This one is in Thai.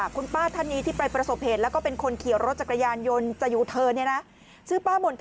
คุณป้าท่านนี้ที่ไปประสบเหตุ